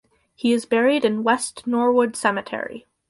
He is buried in West Norwood Cemetery.